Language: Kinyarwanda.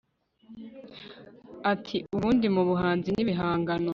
ati ubundi mu buhanzi n'ibihangano